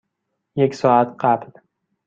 یک ساعت قبل.